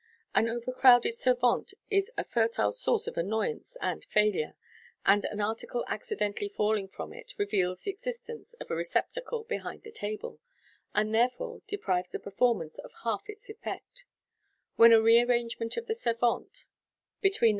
An overcrowded servante is a fertile source of annoyance and failure, as an article accidentally falling from it reveals the existence of a re ceptacle behind the table, and thereby deprives the performance of half its effect When a re arrangement of the servante between the 5o8 MODERN MAGIC.